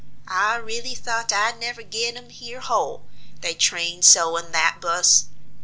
I reelly thought I'd never get 'em here whole, they trained so in that bus.